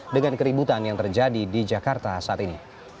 dengan keributan yang terjadi di jakarta saat ini